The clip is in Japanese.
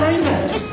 えっ？